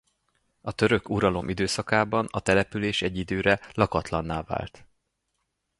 A török uralom időszakában a település egy időre lakatlanná vált.